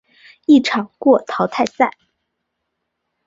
一场过淘汰赛。